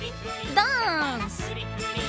ダンス！